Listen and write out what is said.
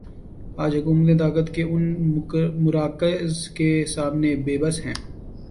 آج حکومتیں طاقت کے ان مراکز کے سامنے بے بس ہیں۔